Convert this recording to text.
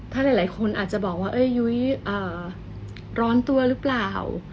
ถ้าหลายคนอาจจะบอกว่ายุ้ยร้อนตัวหรือเปล่า